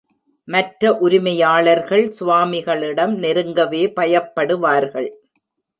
மற்ற உரிமையாளர்கள் சுவாமிகளிடம் நெருங்கவே பயப்படுவார்கள்.